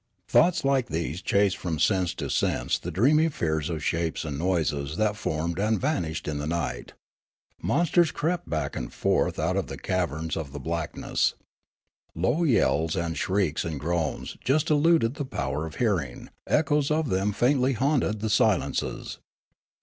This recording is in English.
Thoughts like these chased from sense to sense the dreamy fears of shapes and noises that formed and vanished in the night. Monsters crept back and forth out of the caverns of the blackness. Low yells and shrieks and groans just eluded the power of hearing ; echoes of them faintly haunted the silences.